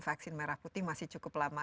vaksin merah putih masih cukup lama